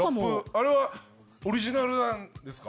あれはオリジナルなんですか？